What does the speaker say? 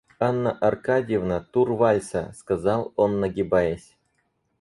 Анна Аркадьевна, тур вальса, — сказал он нагибаясь.